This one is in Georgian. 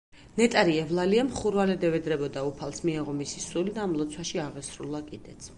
ნეტარი ევლალია მხურვალედ ევედრებოდა უფალს, მიეღო მისი სული და ამ ლოცვაში აღესრულა კიდეც.